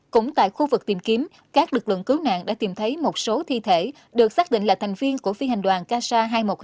cũng tại khu vực tìm kiếm các lực lượng cứu nạn đã tìm thấy một số thi thể được xác định là thành viên của phi hành đoàn ksa hai trăm một mươi hai